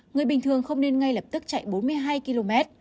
người bình thường không nên ngay lập tức chạy bốn mươi hai km